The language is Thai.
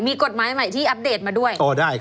มีกฎหมายใหม่ที่อัปเดตมาด้วย